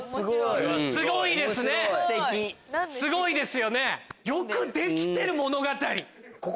すごいですよねよくできてる物語。